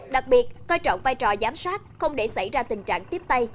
đặc biệt coi trọng vai trò giám sát không để xảy ra tình trạng tiếp tay